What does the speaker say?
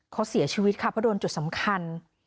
เขาเสียชีวิตค่ะเพราะโดนจุดสำคัญ